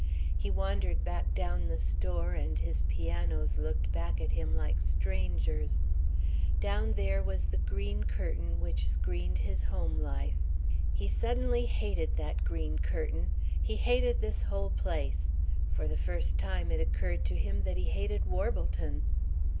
He wandered back down the store and his pianos looked back at him like strangers. Down there was the green curtain which screened his home life. He suddenly hated that green curtain. He hated this whole place. For the first time it occurred to him that he hated Warbleton.